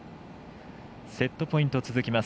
セットポイント続きます